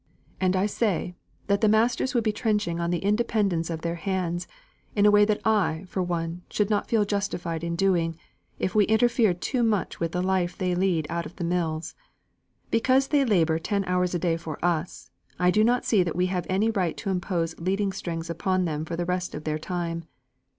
And I say, that the masters would be trenching on the independence of their hands, in a way that I, for one, should not feel justified in doing, if we interfered too much with the life they lead out of the mills. Because they labour ten hours a day for us, I do not see that we have any right to impose leading strings upon them for the rest of their time.